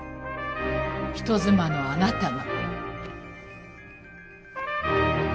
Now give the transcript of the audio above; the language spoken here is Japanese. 人妻のあなたが。